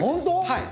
はい。